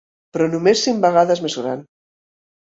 Però només cinc vegades més gran.